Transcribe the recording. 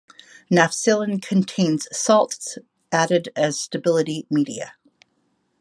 Nafcillin contains salts added as stability media.